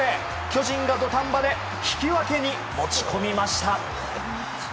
巨人が土壇場で引き分けに持ち込みました。